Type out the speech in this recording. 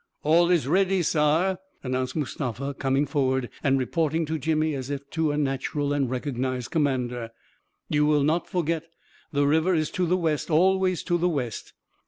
" All is ready, saar," announced Mustafa, coming forward and reporting to Jimmy as to a natural and recognized commander. " You will not forget — the river is to the west, always to the west.